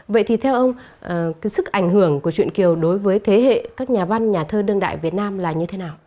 vậy thì theo ông cái sức ảnh hưởng của chuyện kiều đối với thế hệ các nhà văn nhà thơ đương đại việt nam là như thế nào